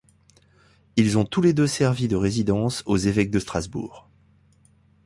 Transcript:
Ils ont tous les deux servi de résidence aux évêques de Strasbourg.